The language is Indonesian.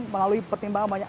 melalui pertimbangan banyak